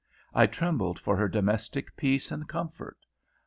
I trembled for her domestic peace and comfort.